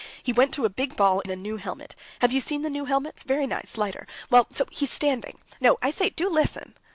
He went to a big ball in a new helmet. Have you seen the new helmets? Very nice, lighter. Well, so he's standing.... No, I say, do listen."